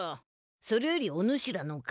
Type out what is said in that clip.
それよりもおぬしらの顔